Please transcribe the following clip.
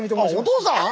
お父さん？